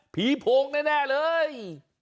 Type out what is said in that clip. โพงแน่เลย